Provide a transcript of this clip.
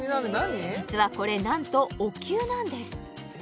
実はこれなんとお灸なんです